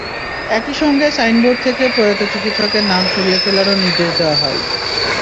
একই সঙ্গে সাইনবোর্ড থেকে প্রয়াত চিকিৎসকের নাম সরিয়ে ফেলারও নির্দেশ দেওয়া হয়।